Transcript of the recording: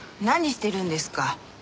何してるんですか？